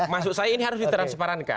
maksud saya ini harus diteram separankan